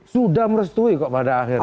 sudah merestui kok pada akhirnya